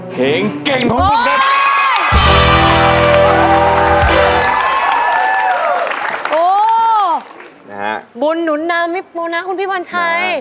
เพลงเก่งของคุณพรชัย